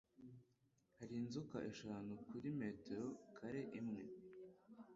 hari inzoka eshanu kuri metero kare imwe